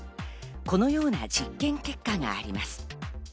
このような実験結果があります。